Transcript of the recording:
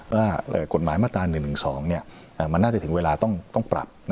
ว่ากฎหมายมาตรา๑๑๒มันน่าจะถึงเวลาต้องปรับ